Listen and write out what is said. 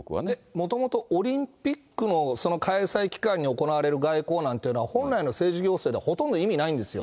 もともとオリンピックの開催期間に行われる外交なんていうのは、本来の政治行政ではほとんど意味がないんですよ。